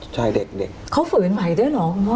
ใช่เด็กเขาฝืนใหม่ด้วยเหรอคุณพ่อ